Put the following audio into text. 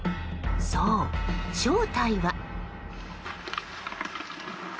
そう、正体は。